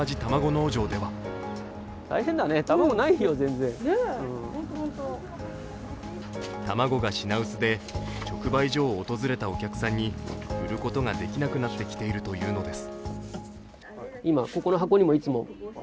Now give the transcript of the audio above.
農場では卵が品薄で直売所を訪れたお客さんに売ることができなくなってきているというのです。